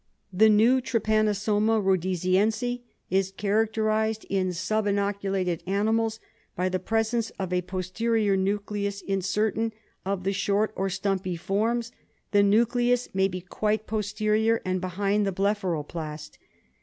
The new T. rhodesiense is characterised in sub inoculated animals by the presence of a posterior nucleus, in certain of the short or stumpy forms ; the nucleus may be quite pos terior and behind the blepharoplast.